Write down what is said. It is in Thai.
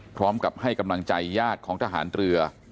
พร้อมกับให้กำลังใจญาติของทหารเรือ